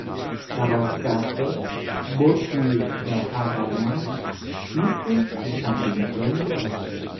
Darauf sagte Bodhidharma, "Siehst du, ich habe ihn schon beruhigt.